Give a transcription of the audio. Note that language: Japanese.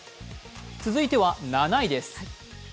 続いては７位です。